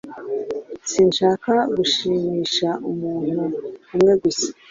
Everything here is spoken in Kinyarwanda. Sinshaka gushimisha umuntu umwe gusa.